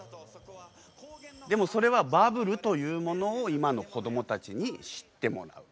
でもそれはバブルというものを今の子供たちに知ってもらう。